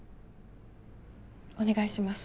お願いします。